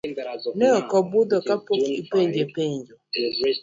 Nokobudho ka pok openjo penjo.